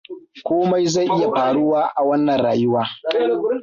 Komai zai iya faruwa a wannan rayuwa.